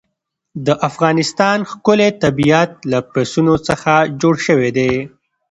د افغانستان ښکلی طبیعت له پسونو څخه جوړ شوی دی.